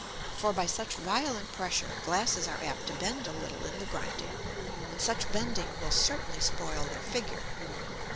For by such violent pressure, Glasses are apt to bend a little in the grinding, and such bending will certainly spoil their Figure.